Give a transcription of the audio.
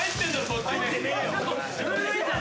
そっちに。